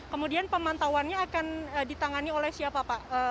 kemudian pemantauannya akan ditangani oleh siapa pak